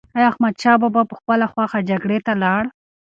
ایا احمدشاه بابا په خپله خوښه جګړې ته لاړ؟